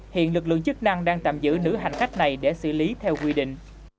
hiện lực lượng chức năng đang tạm giữ nữ hành khách này để xử lý theo quy định